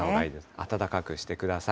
暖かくしてください。